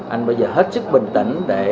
anh bây giờ hết sức bình tĩnh để